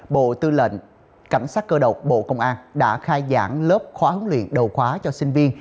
bộ tư lệnh cảnh sát cơ động bộ công an đã khai giảng lớp khóa huấn luyện đầu khóa cho sinh viên